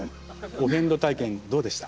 お遍路体験どうでした？